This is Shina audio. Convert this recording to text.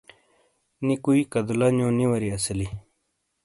نی کوئی کدولہ نو نی واری اسیلی